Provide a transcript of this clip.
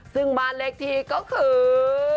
ซึ่งบ้านเลขที่ก็คือ